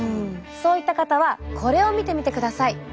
そういった方はこれを見てみてください。